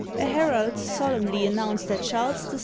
A herald solemnly announced that Charles VI.